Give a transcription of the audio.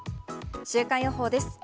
週間予報です。